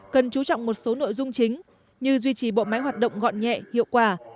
cần chú trọng một số nội dung chính như duy trì bộ máy hoạt động gọn nhẹ hiệu quả